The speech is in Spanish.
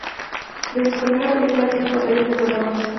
Desde su primera película tiene papeles de protagonista.